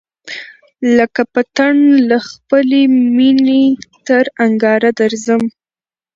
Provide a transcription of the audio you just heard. لکه پتڼ له خپلی مېني تر انگاره درځم